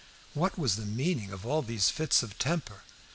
What was the meaning of all these fits of temper?